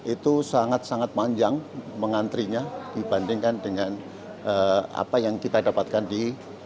itu sangat sangat panjang mengantrinya dibandingkan dengan apa yang kita dapatkan di